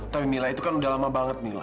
tapi mila itu kan udah lama banget nih